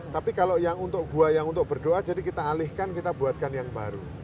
tapi kalau yang untuk gua yang untuk berdoa jadi kita alihkan kita buatkan yang baru